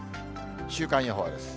週間予報です。